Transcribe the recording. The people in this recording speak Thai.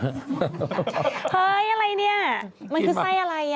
เฮ่ยอะไรนี่